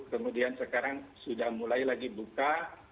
kemudian sekarang sudah mulai lagi buka